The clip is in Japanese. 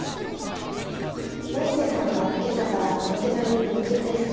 ロッソさんは今朝からあの手紙に夢中です。